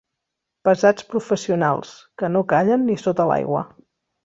Pesats professionals, que no callen ni sota l'aigua.